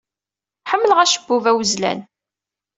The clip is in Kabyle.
Ḥemmleɣ acebbub awezlan.